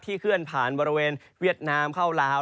ที่เคลื่อนผ่านบริเวณเวียดนานค์เคล้าลาว